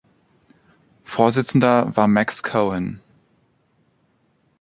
Vorsitzender war Max Cohen.